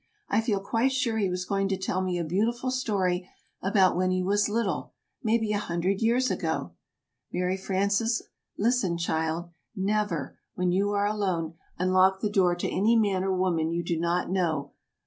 I feel quite sure he was going to tell me a beautiful story about when he was little maybe a hundred years ago " "Mary Frances, listen, child! Never, when you are alone, unlock the door to any man or woman you do not know.